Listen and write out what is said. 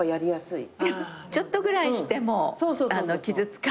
ちょっとぐらいしても傷つかないし。